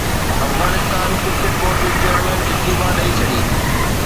Afghanistan cricket board جي chairman استعيفيٰ ڏئي ڇڏي